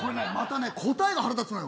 答えが、腹立つなよ。